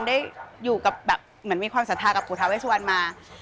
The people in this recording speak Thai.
ได้อยู่กับแบบเหมือนมีความศรัทธากับปู่ทาเวสวันมา